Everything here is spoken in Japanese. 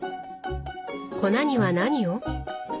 粉には何を？